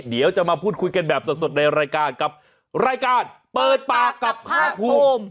เดี๋ยวจะมาพูดคุยกันแบบสดในรายการกับรายการเปิดปากกับภาคภูมิ